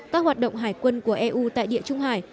các hoạt động hải quân của eu tại địa trung hải